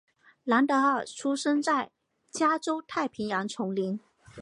兰达尔出生在加州太平洋丛林。